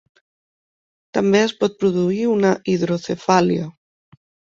També es pot produir una hidrocefàlia.